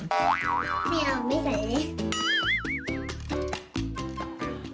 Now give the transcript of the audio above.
ไม่เอาไม่ใส